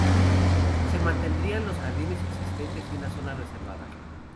Se mantendrían los jardines existentes y una zona reservada.